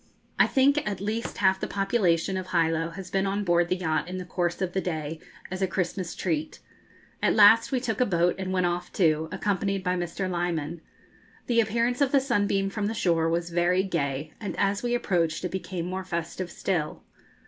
I think at least half the population of Hilo had been on board the yacht in the course of the day, as a Christmas treat. At last we took a boat and went off too, accompanied by Mr. Lyman. The appearance of the 'Sunbeam' from the shore was very gay, and as we approached it became more festive still.